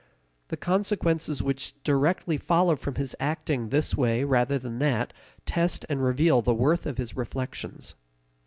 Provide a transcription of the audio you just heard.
The consequences which directly follow from his acting this way rather than that test and reveal the worth of his reflections.